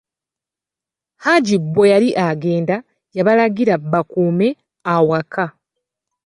Haji bwe yali agenda, yabalagira bakume awaka.